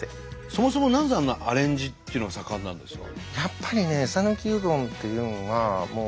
そもそもなぜあんなアレンジっていうのが盛んなんですか？